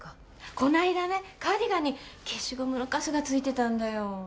こないだねカーディガンに消しゴムのカスがついてたんだよ